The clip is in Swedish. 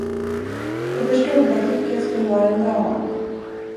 Jag förstod att lyckan skulle vara en dam.